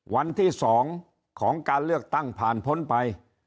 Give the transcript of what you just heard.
วันที่๒ของการเลือกตั้งผ่านพ้นไป